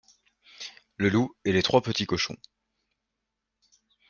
Le loup et les trois petits cochons.